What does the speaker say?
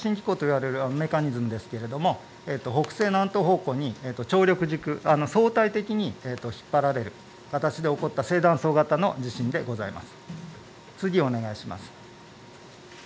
これは地震の発震機構といわれるメカニズムですけど北西南東方向に張力軸相対的に引っ張られる形で起こったせい断層型の地震でございます。